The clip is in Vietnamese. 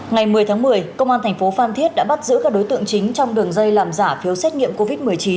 ngày một mươi tháng một mươi công an thành phố phan thiết đã bắt giữ các đối tượng chính trong đường dây làm giả phiếu xét nghiệm covid một mươi chín